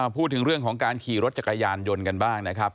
พูดถึงเรื่องของการขี่รถจักรยานยนต์กันบ้างนะครับ